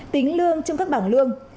tính lương trong các bảng lương